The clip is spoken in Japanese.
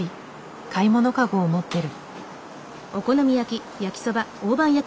買い物かごを持ってる。